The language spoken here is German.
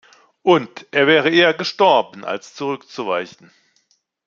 Und er wäre eher gestorben als zurückzuweichen.